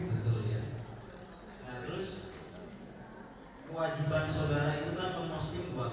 betul ya nah terus kewajiban saudara itu kan memposting dua kali